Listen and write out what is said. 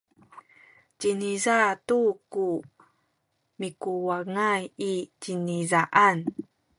ciniza tu ku mikuwangay i cinizaan.